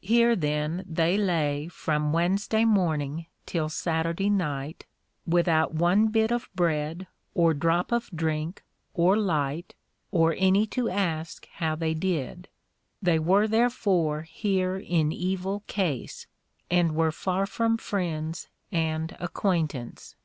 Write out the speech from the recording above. Here then they lay from Wednesday morning till Saturday night, without one bit of bread, or drop of drink, or light, or any to ask how they did; they were therefore here in evil case, and were far from friends and acquaintance.